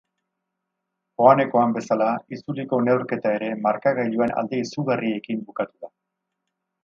Joanekoan bezala, itzuliko neurketa ere markagailuan alde izugarriekin bukatu da.